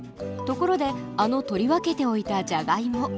ところであの取り分けておいたじゃがいも